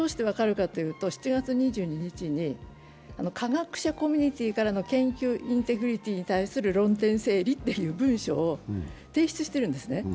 ７月２２日に科学者コミュニティーからの研究インテグリティーに対する論点整理という文章を提出しているんですね。